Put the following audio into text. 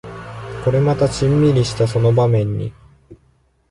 これまたシンミリしたその場面に